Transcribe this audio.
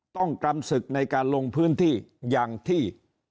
กรำศึกในการลงพื้นที่อย่างที่